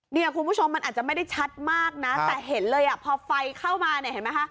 เนี่ยคุณผู้ชมมันอาจจะไม่ได้ชัดมากนะแต่เห็นเลยอ่ะพอไฟเข้ามาเนี่ยเห็นไหมคะ